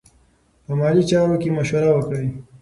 په مالي چارو کې مشوره وکړئ.